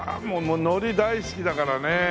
もう海苔大好きだからねえ。